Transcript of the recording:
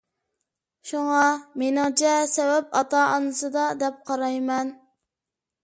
شۇڭا، مېنىڭچە سەۋەب ئاتا-ئانىسىدا دەپ قارايمەن.